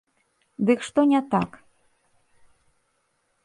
Дык што не так?